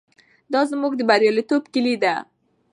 دا زموږ د بریالیتوب کیلي ده.